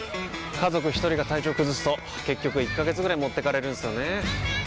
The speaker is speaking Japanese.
家族一人が体調崩すと結局１ヶ月ぐらい持ってかれるんすよねー。